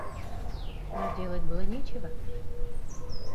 Но делать было нечего.